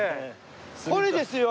これですよ。